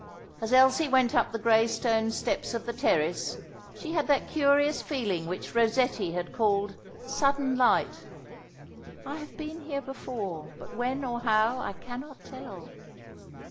As Elsie went up the grey stone steps of the terrace she had that curious feeling which Rossetti has called "sudden light" "I have been here before, But when or how I cannot tell."